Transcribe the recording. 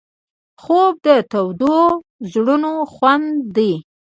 خوب د تودو زړونو خوند دی